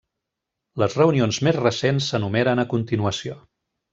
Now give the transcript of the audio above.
Les reunions més recents s'enumeren a continuació.